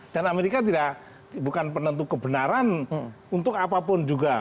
dan amerika bukan penentu kebenaran untuk apapun juga